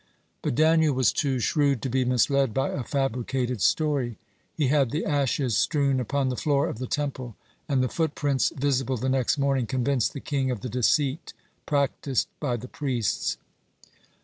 But Daniel was too shrewd to be misled by a fabricated story. He had the ashes strewn upon the floor of the Temple, and the foot prints visible the next morning convinced the king of the deceit practiced by the priests.